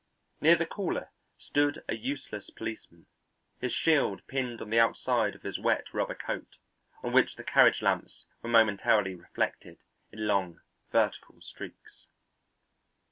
Near the caller stood a useless policeman, his shield pinned on the outside of his wet rubber coat, on which the carriage lamps were momentarily reflected in long vertical streaks.